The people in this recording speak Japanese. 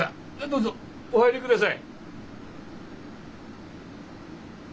どうぞお入りください。